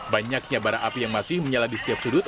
banyaknya barang api yang masih menyala di setiap sudut